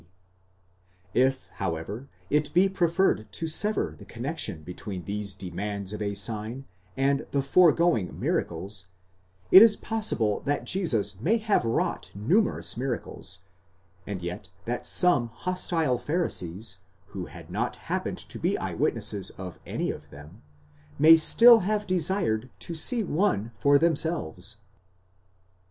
30). If however it be preferred to sever the connexion between these demands of a sign and the foregoing miracles, it is possible that Jesus may have wrought numerous miracles, and yet that some hostile Pharisees, who had not happened to be eyewitnesses of any of them, may still have desired to see one for themselves.